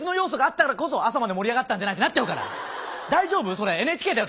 それＮＨＫだよ？